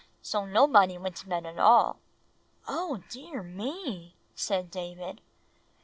So nobody went to bed at all." "Oh, dear me!" said David.